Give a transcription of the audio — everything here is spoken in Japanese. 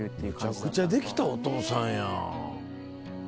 むちゃくちゃできたお父さんやん。